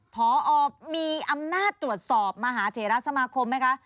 พอมีอำนาจตรวจสอบมหาเถระสมาคมไหมคะ